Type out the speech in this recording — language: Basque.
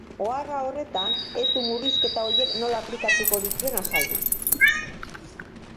Ohar horretan ez du murrizketa horiek nola aplikatuko dituen azaldu.